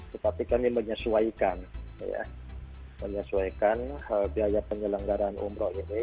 tetapi kami menyesuaikan menyesuaikan biaya penyelenggaraan umroh ini